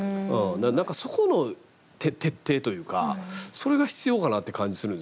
何かそこの徹底というかそれが必要かなって感じするんですよね。